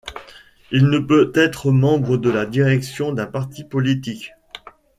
Il ne peut être membre de la direction d'un parti politique.